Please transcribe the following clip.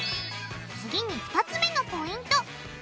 次に２つ目のポイント。